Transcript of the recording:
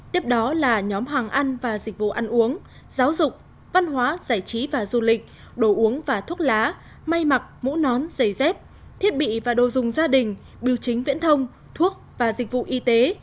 tiếp đó là nhóm hàng ăn và dịch vụ ăn uống giáo dục văn hóa giải trí và du lịch đồ uống và thuốc lá may mặc mũ nón giày dép thiết bị và đồ dùng gia đình biểu chính viễn thông thuốc và dịch vụ y tế